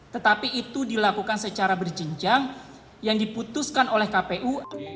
tetapi itu dilakukan secara berjenjang yang diputuskan oleh kpu